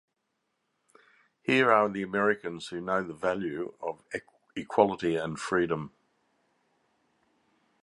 Here are the Americans who know the value of equality and freedom.